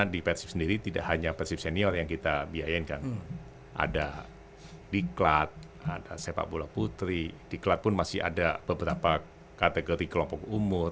karena di perisip sendiri tidak hanya perisip senior yang kita biayain kan ada di klat ada sepak bola putri di klat pun masih ada beberapa kategori kelompok umur